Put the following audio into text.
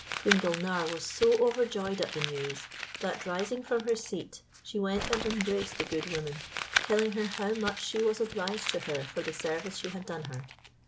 Queen Gulnare was so overjoyed at the news, that rising from her seat, she went and embraced the good woman, telling her how much she was obliged to her for the service she had done her.